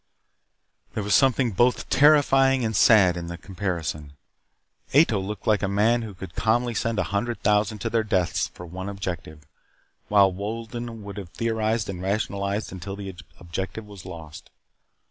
There was something both terrifying and sad in the comparison. Ato looked like a man who could calmly send a hundred thousand to their deaths for one objective, while Wolden would have theorized and rationalized until the objective was lost.